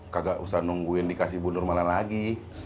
kagak usah nungguin dikasih bundur mana lagi